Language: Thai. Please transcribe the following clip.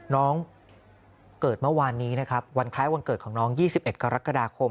น้องเกิดเมื่อวานนี้นะครับวันคล้ายวันเกิดของน้อง๒๑กรกฎาคม